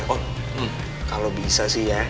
oh kalau bisa sih ya